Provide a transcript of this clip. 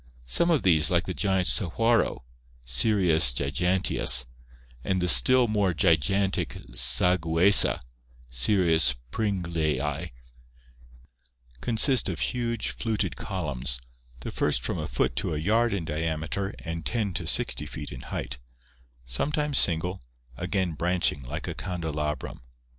Some of these, like the giant saguaro (Cereus giganteus) and the still more 396 ORGANIC EVOLUTION gigantic saguesa (Cereus pringleii), consist of huge, fluted columns, the first from a foot to a yard in diameter and 10 to 60 feet in height, sometimes single, again branching like a candelabrum.